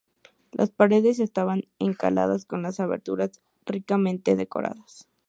Las paredes estaban encaladas con las aberturas ricamente decoradas.